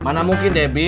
mana mungkin debi